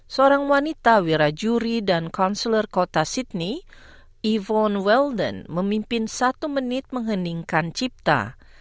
seorang wanita wira juri dan konsuler kota sydney yvonne weldon memimpin satu menit menghendingkan cipta